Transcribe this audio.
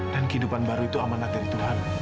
dan kehidupan baru itu amanat dari tuhan